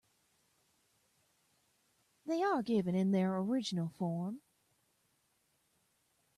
They are given in their original form.